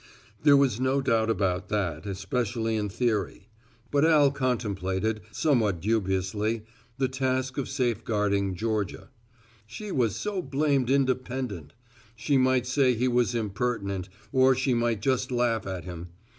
There was no doubt about that, especially in theory. But Al contemplated somewhat dubiously the task of safeguarding Georgia. She was so blamed independent. She might say he was impertinent, or she might just laugh at him.